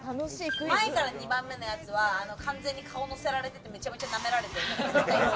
前から２番目のやつは完全に顔をのせられててめちゃめちゃなめられてる。